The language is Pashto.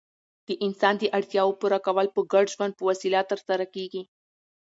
د انسان داړتیاوو پوره کول په ګډ ژوند په وسیله ترسره کيږي.